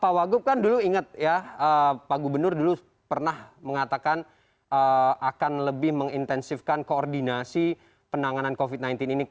pak wagub kan dulu ingat ya pak gubernur dulu pernah mengatakan akan lebih mengintensifkan koordinasi penanganan covid sembilan belas ini